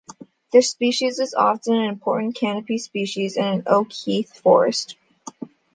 This species is often an important canopy species in an oak-heath forest.